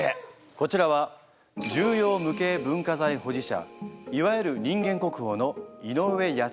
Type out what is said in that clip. こちらは重要無形文化財保持者いわゆる人間国宝の井上八千代でございます。